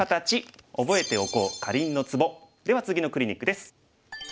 では次のクリニックです。